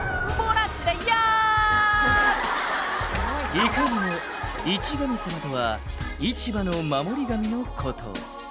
「いかにも市神様とは市場の守り神のこと」